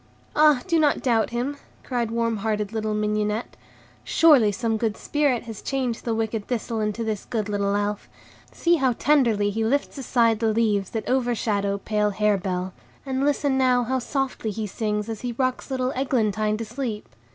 "Ah, do not doubt him!" cried warm hearted little Mignonette; "surely some good spirit has changed the wicked Thistle into this good little Elf. See how tenderly he lifts aside the leaves that overshadow pale Harebell, and listen now how softly he sings as he rocks little Eglantine to sleep.